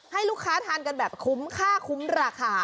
ให้ลูกค้าทานกันแบบคุ้มค่าคุ้มราคา